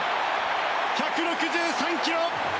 １６３キロ！